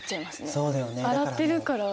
洗ってるから。